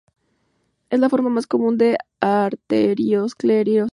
Es la forma más común de arteriosclerosis.